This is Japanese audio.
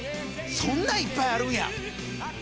そんないっぱいあるんや！